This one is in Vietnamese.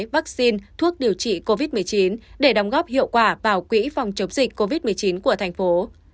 vaccine thuốc điều trị covid một mươi chín để đóng góp hiệu quả vào quỹ phòng chống dịch covid một mươi chín của thành phố